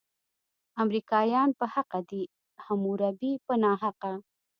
امریکایان په حقه دي، حموربي په ناحقه.